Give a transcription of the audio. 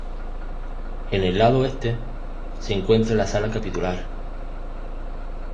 En el lado este se encuentra la sala capitular.